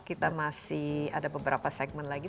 kita masih ada beberapa segmen lagi